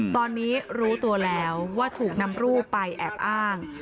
ตอนนี้รู้ตัวแล้วว่าถูกนำรูปไปแอบอ้าง